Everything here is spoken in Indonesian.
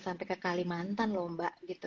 sampai ke kalimantan lomba gitu